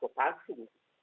hal hal seperti itu